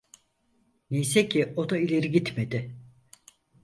Neyse ki o da ileri gitmedi.